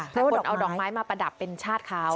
แต่คนเอาดอกไม้มาประดับเป็นชาติเขา